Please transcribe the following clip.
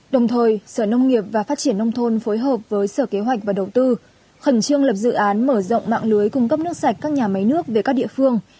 đồng thời sở nông nghiệp và phát triển nông thôn phối hợp với sở kế hoạch và đầu tư khẩn trương lập dự án mở rộng mạng lưới cung cấp nước sạch các nhà máy nước về các địa phương